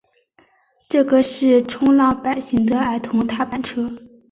这个是冲浪板型的儿童踏板车。